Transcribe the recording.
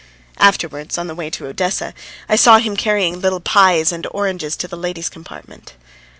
Afterwards, on the way to Odessa, I saw him carrying little pies and oranges to the ladies' compartment.